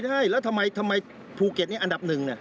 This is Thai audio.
ใช่แล้วทำไมภูเก็ตนี่อันดับหนึ่ง